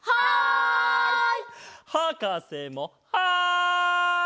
はい！